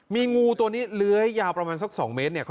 มีงูตัวนี้เลื้อยยาวประมาณสักสองเมตร